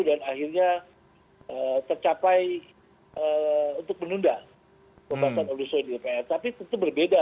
saya tidak bisa mengatakan presiden sepakat untuk menunda tapi itu berbeda